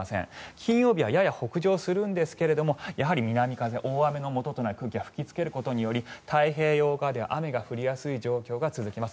金曜日はやや北上するんですけどやはり南風、大雨のもととなる空気が吹きつけることにより太平洋側では雨が降りやすい状況が続きます。